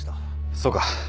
そうか。